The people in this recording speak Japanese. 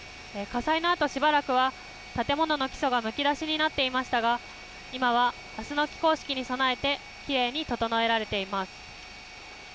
火災のあと、しばらくは建物の基礎がむき出しになっていましたが、今はあすの起工式に備えて、きれいに整えられています。